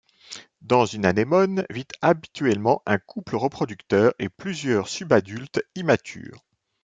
Dans une anémone vit habituellement un couple reproducteur et plusieurs subadultes immatures.